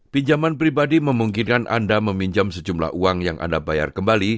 pinjaman pribadi memungkinkan anda meminjam sejumlah uang yang anda bayar kembali